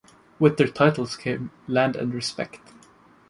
With their titles came land and respect.